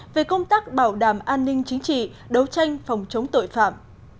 về công tác bảo đảm an ninh chính trị đấu tranh phòng chống tội phạm